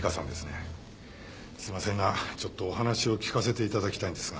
すいませんがちょっとお話を聞かせて頂きたいんですが。